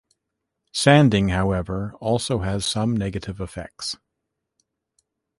Sanding however also has some negative effects.